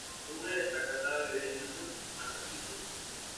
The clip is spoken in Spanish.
Sumner está casado y vive en Newton, Massachusetts.